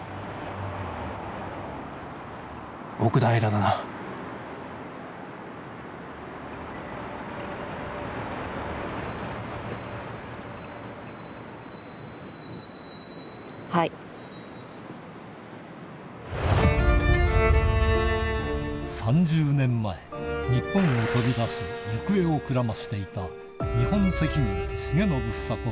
それは３０年前日本を飛び出し行方をくらましていた日本赤軍重信房子